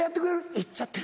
「いっちゃってる」。